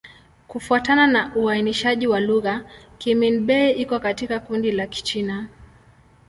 Kufuatana na uainishaji wa lugha, Kimin-Bei iko katika kundi la Kichina.